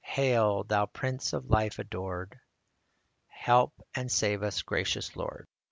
Hail, Thou Prince of Life adored ! Help and save us, gracious Lord